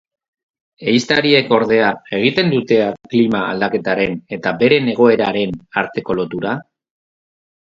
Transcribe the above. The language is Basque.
Ehiztariek ordea, egiten dutea klima aldaketaren eta beren egoeraren arteko lotura?